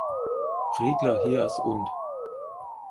Riegler Hias und.